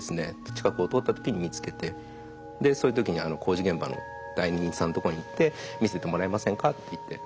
近くを通った時に見つけてその時に工事現場の代理人さんのとこに行って「見せてもらえませんか」っていって。